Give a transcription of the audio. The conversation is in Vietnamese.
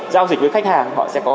giao dịch với khách hàng họ sẽ có